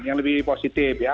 yang lebih positif ya